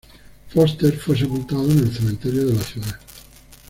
Förster fue sepultado en el cementerio de la ciudad.